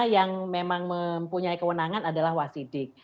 yang memang mempunyai kewenangan adalah wasidik